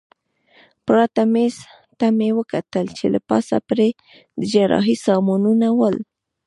پراته مېز ته مې وکتل چې له پاسه پرې د جراحۍ سامانونه ول.